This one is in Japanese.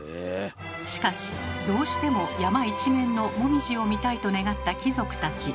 しかしどうしても山一面のもみじを見たいと願った貴族たち。